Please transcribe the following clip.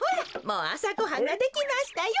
もうあさごはんができましたよ。